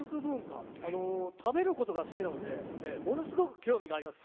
食べることが好きなのでものすごく興味があります。